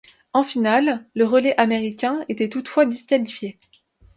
En finale, le relais américain était toutefois disqualifiée.